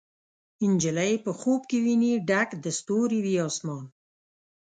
نجلۍ په خوب کې ویني ډک د ستورو، وي اسمان